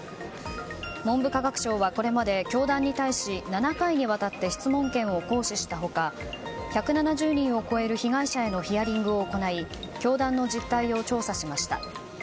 文部科学省はこれまで教団に対し７回にわたって質問権を行使した他１７０人を超える被害者へのヒアリングを行い教団の実態を調査しました。